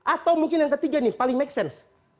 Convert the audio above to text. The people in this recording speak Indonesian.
atau mungkin yang ketiga nih paling make sense